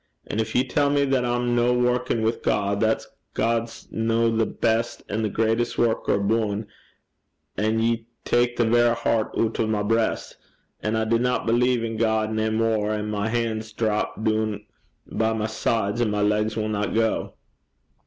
An' gin ye tell me that I'm no workin' wi' God, that God's no the best an' the greatest worker aboon a', ye tak the verra hert oot o' my breist, and I dinna believe in God nae mair, an' my han's drap doon by my sides, an' my legs winna gang.